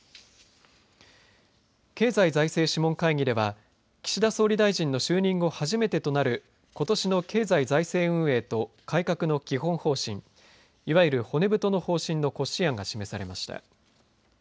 経済財政諮問会議では岸田総理大臣の就任後初めてとなることしの経済財政運営と改革の基本方針いわゆる骨太の方針の骨子案が示されました。